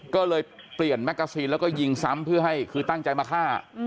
ก็เลยเปลี่ยนแมกกาซีนแล้วก็ยิงซ้ำเพื่อให้คือตั้งใจมาฆ่า